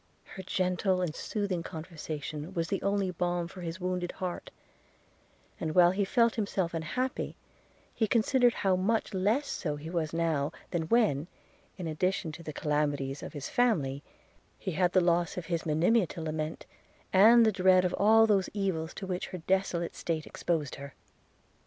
Her gentle and soothing conversation was the only balm for his wounded heart; and while he felt himself unhappy, he considered how much less so he was now, than when, in addition to the calamities of his family, he had the loss of his Monimia to lament, and the dread of all those evils to which her desolate state exposed her.